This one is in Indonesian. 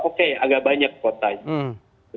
oke agak banyak kuotanya